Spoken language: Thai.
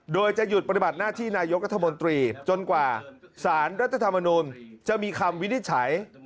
โดยจะหยุดปฏิบัติหน้าที่นายกรัฐมนตรีจนกว่าสารรัฐธรรมนูลจะมีคำวินิจฉัย